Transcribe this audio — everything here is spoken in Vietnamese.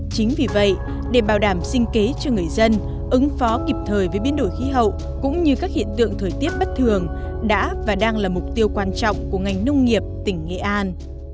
chính vì vậy để bảo đảm sinh kế cho người dân ứng phó kịp thời với biến đổi khí hậu cũng như các hiện tượng thời tiết bất thường đã và đang là mục tiêu quan trọng của ngành nông nghiệp tỉnh nghệ an